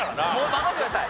任せてください。